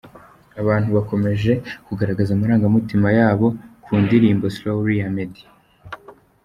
Abantu bakomeje kugaragaza amarangamutima yabo ku ndirimbo "Slowly" ya Meddy.